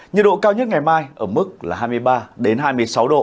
nhiệt độ cao nhất ngày mai ở mức là hai mươi ba hai mươi sáu độ